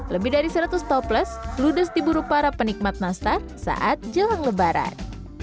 lebih dari seratus toples ludes diburu para penikmat nastar saat jelang lebaran